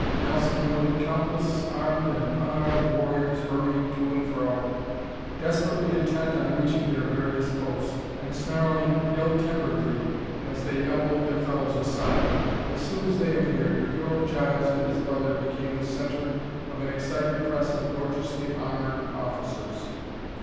Nelson noted countless armed and unarmed warriors hurrying to and fro, desperately intent on reaching their various posts, and snarling ill temperedly as they elbowed their fellows aside. As soon as they appeared, Hero Giles and his brother became the center of an excited press of gorgeously armored officers.